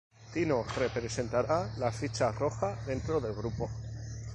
Tino representará la ficha roja dentro del grupo.